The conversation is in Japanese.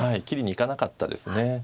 切りにいかなかったです。